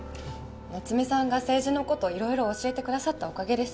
夏目さんが政治のこと、いろいろ教えてくださったおかげです。